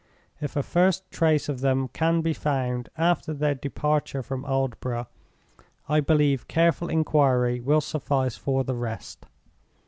If a first trace of them can be found, after their departure from Aldborough, I believe careful inquiry will suffice for the rest.